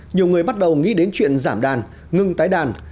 nhiều người bắt đầu nghĩ đến chuyện giảm đàn ngưng tái đàn